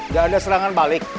gak ada serangan balik